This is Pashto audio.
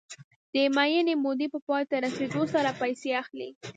د معینې مودې په پای ته رسېدو سره پیسې اخلي